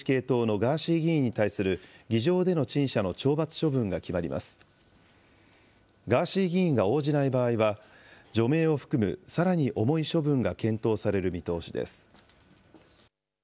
ガーシー議員が応じない場合は、除名を含むさらに重い処分が検討される見通しです。